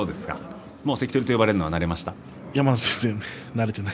関取と呼ばれるのは慣れましたか？